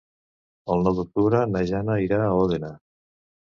El nou d'octubre na Jana irà a Òdena.